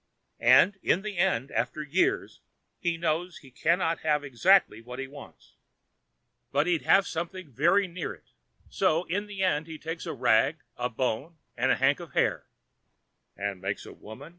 And, in the end, after years, he knows he cannot have exactly what he wants. But he can have something very near it. So, in the end, he takes a rag, and a bone, and a hank of hair " "And makes a woman?"